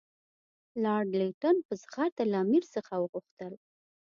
لارډ لیټن په زغرده له امیر څخه وغوښتل.